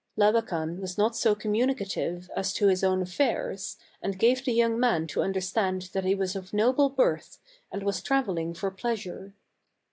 Labakan was not so communicative as to his own affairs, and gave the young man to under stand that he was of noble birth and was travel ing for pleasure.